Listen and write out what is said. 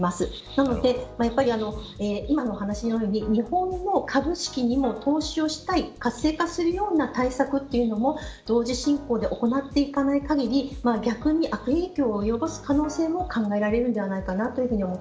なので、今の話のように日本の株式にも投資をしたい活性化するような対策を同時進行で行っていかない限り逆に悪影響を及ぼす可能性も考えられるのではないかな